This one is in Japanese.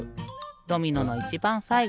ドミノのいちばんさいご。